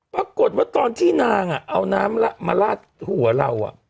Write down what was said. ปรากฏว่าตอนที่นางเอาน้ำละลักมาปลาดหัวเรา